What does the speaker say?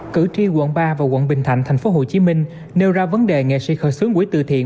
cử tri quận ba và quận bình thạnh tp hcm nêu ra vấn đề nghệ sĩ khởi xướng quỹ tự thiện